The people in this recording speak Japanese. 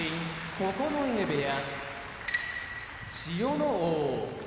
九重部屋千代ノ皇